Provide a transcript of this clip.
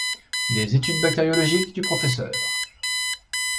Les études bactériologiques du Pr.